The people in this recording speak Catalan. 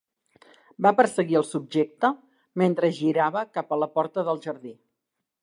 Va perseguir el subjecte mentre girava cap a la porta del jardí.